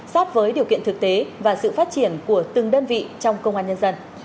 sát với điều kiện thực tế và sự phát triển của từng đơn vị trong công an nhân dân